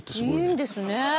いいんですね。